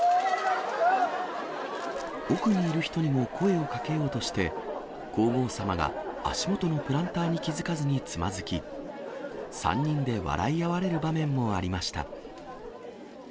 奥にいる人にも声をかけようとして、皇后さまが足元のプランターに気付かずにつまずき、３人で笑い合われる場面もありました。